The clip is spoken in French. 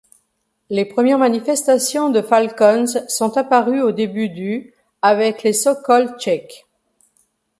Les premières manifestations de falcons sont apparues au début du avec les sòkol tchèques.